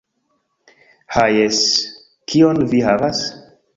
Ah jes, kion vi havas?